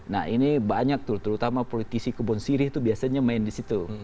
nah ini banyak tuh terutama politisi kebon sirih itu biasanya main di situ